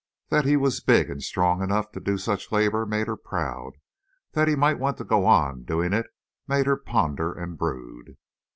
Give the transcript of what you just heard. That he was big and strong enough to do such labor made her proud; that he might want to go on doing it made her ponder and brood.